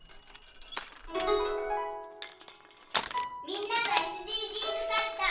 みんなのＳＤＧｓかるた。